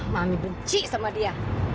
mami benci sama dia